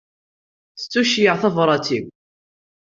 Tettuceyyeɛ tebrat-iw?